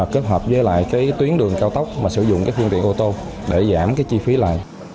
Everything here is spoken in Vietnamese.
kết hợp với tuyến đường cao tốc mà sử dụng các thương tiện ô tô để giảm chi phí lại